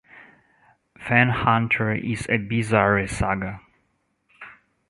Fanhunter is a bizarre saga.